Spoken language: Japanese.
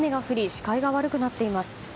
視界が悪くなっています。